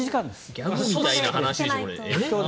ギャグみたいな話だね。